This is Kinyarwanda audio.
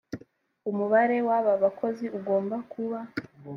umubare w aba bakozi ugomba kuba